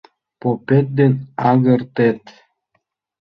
Попет ден аҥыртен